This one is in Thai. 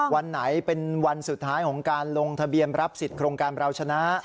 วันไหนเป็นวันสุดท้ายของการลงทะเบียนรับสิทธิ์โครงการเราชนะ